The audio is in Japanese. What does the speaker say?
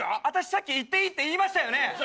私さっき行っていいって言いましたよね？